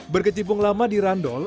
berkecipung lama di randol